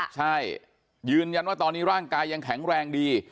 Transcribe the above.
ใช่ยืนยันว่าตอนนี้ร่างกายยังแข็งแรงดี